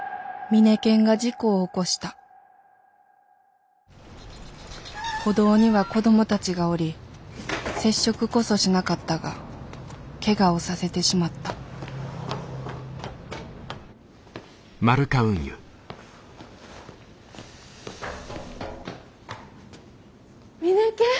ミネケンが事故を起こした歩道には子どもたちがおり接触こそしなかったがけがをさせてしまったミネケン。